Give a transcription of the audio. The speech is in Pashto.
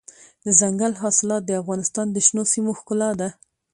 دځنګل حاصلات د افغانستان د شنو سیمو ښکلا ده.